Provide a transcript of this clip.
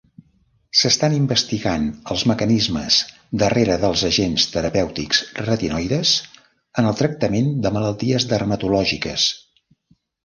S’estan investigant els mecanismes darrere dels agents terapèutics retinoides en el tractament de malalties dermatològiques.